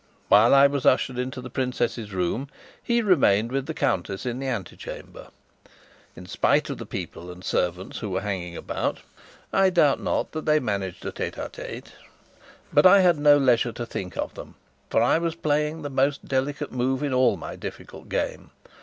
While I was ushered into the princess's room, he remained with the countess in the ante chamber: in spite of the people and servants who were hanging about, I doubt not that they managed a tête à tête; but I had no leisure to think of them, for I was playing the most delicate move in all my difficult game.